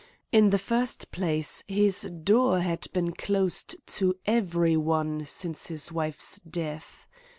In the first place, his door had been closed to every one since his wife's death.